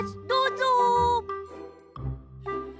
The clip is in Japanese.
どうぞ！